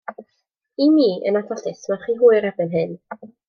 I mi, yn anffodus, mae'n rhy hwyr erbyn hyn.